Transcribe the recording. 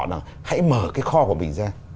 họ hãy mở cái kho của mình ra